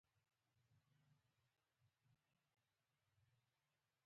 د امریکایانو په خیانتونو مې سر خلاص شو.